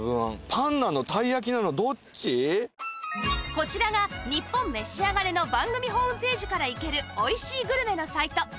こちらが『ニッポンめしあがれ』の番組ホームページから行けるおいしいグルメのサイト